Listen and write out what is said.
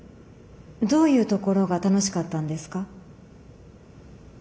どういうところが楽しかったんですか？